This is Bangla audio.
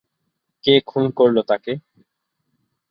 কে খুন করল তাকে?